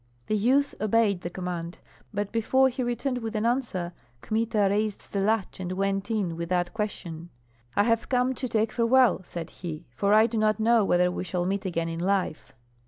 The youth obeyed the command; but before he returned with an answer Kmita raised the latch and went in without question. "I have come to take farewell," said he, "for I do not know whether we shall meet again in life."